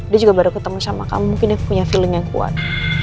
dia juga baru ketemu sama kamu mungkin aku punya feeling yang kuat